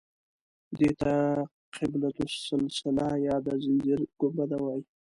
دې ته قبة السلسله یا د زنځیر ګنبده وایي.